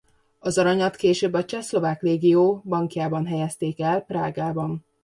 Az aranyat később a Csehszlovák Légió bankjában helyezték el Prágában.